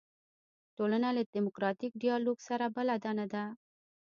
ټولنه له دیموکراتیک ډیالوګ سره بلده نه ده.